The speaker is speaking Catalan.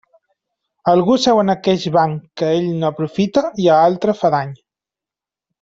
Algú seu en aqueix banc que a ell no aprofita i a altre fa dany.